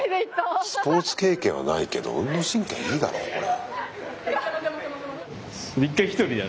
スポーツ経験はないけど運動神経はいいだろうこれ。